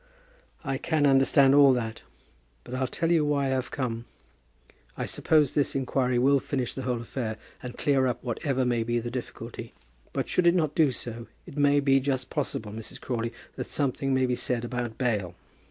"I can understand all that; but I'll tell you why I have come. I suppose this inquiry will finish the whole affair, and clear up whatever may be the difficulty. But should it not do so, it may be just possible, Mrs. Crawley, that something may be said about bail.